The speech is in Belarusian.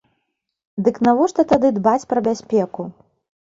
Дык навошта тады дбаць пра бяспеку?